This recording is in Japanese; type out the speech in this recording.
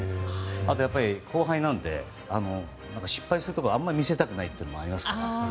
あと、後輩なんで失敗するところをあんまり見せたくないというのもありますね。